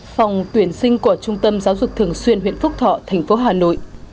phòng tuyển sinh của trung tâm giáo dục thường xuyên huyện phúc thọ thành phố hà nội